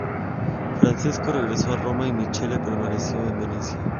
Francesco regresó a Roma y Michele permaneció en Venecia.